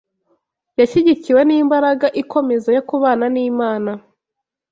yashyigikiwe n’imbaraga ikomeza yo kubana n’Imana